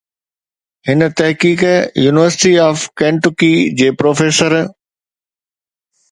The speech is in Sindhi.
هن تحقيق يونيورسٽي آف Kentucky جي پروفيسر